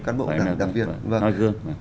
cán bộ đảng viên